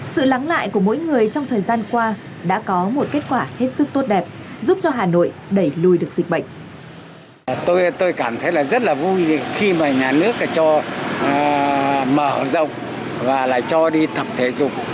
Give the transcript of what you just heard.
sự lắng lại của mỗi người trong thời gian qua đã có một kết quả hết sức tốt đẹp giúp cho hà nội đẩy lùi được dịch bệnh